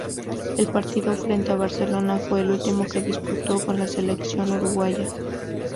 El partido frente a Barcelona, fue el último que disputó con la Selección Uruguaya.